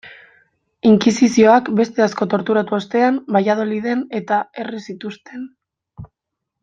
Inkisizioak beste asko torturatu ostean Valladoliden-eta erre zituzten.